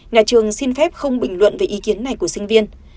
nhà trường xin phép không bình luận về ý kiến này của sinh viên